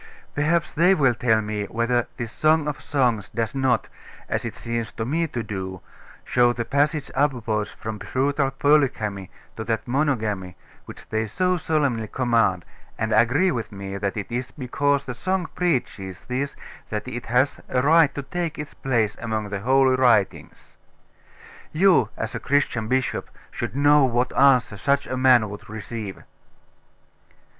Perhaps they will tell me whether this Song of Songs does not, as it seems to me to do, show the passage upwards from brutal polygamy to that monogamy which they so solemnly command, and agree with me, that it is because the song preaches this that it has a right to take its place among the holy writings? You, as a Christian bishop, should know what answer such a man would receive....